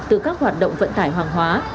từ các hoạt động vận tải hàng hóa